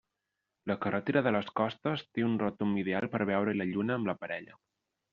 La carretera de les Costes té un retomb ideal per veure-hi la lluna amb la parella.